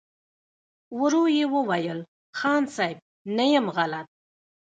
ورو يې وويل: خان صيب! نه يم غلط.